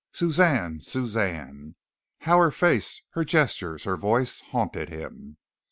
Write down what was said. Suzanne! Suzanne! how her face, her gestures, her voice, haunted him.